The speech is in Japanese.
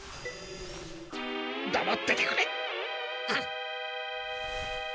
だまっててくれ。